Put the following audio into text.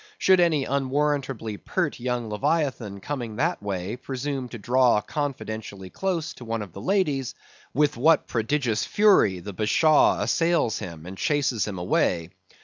Should any unwarrantably pert young Leviathan coming that way, presume to draw confidentially close to one of the ladies, with what prodigious fury the Bashaw assails him, and chases him away!